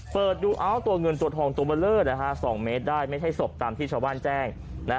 เปิดดูเอ้าตัวเงินตัวทองตัวเบอร์เลอร์๒เมตรได้ไม่ใช่ศพตามที่ชาวบ้านแจ้ง